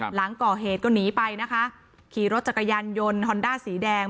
หลังก่อเหตุก็หนีไปนะคะขี่รถจักรยานยนต์ฮอนด้าสีแดง